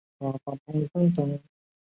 此时日本加紧了对朝鲜的渗透和控制。